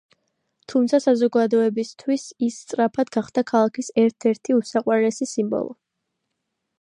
თუმცა საზოგადოებისთვის ის სწრაფად გახდა ქალაქის ერთ-ერთი უსაყვარლესი სიმბოლო.